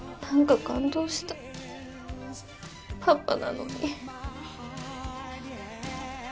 何か感動したパパなのに。